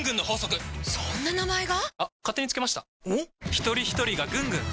ひとりひとりがぐんぐん！